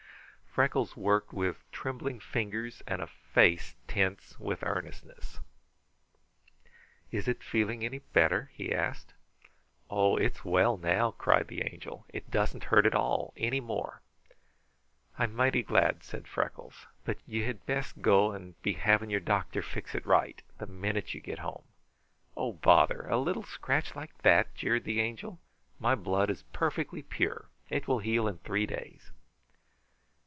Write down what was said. Freckles worked with trembling fingers and a face tense with earnestness. "Is it feeling any better?" he asked. "Oh, it's well now!" cried the Angel. "It doesn't hurt at all, any more." "I'm mighty glad," said Freckles. "But you had best go and be having your doctor fix it right; the minute you get home." "Oh, bother! A little scratch like that!" jeered the Angel. "My blood is perfectly pure. It will heal in three days."